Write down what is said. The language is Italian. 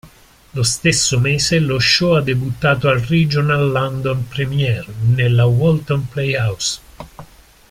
Lo stesso mese lo show ha debuttato al Regional London Premiere nella Walton Playhouse.